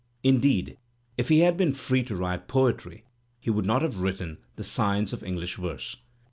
Indeed, if he had been free to write poetry, he would not have written "The Science of English Verse."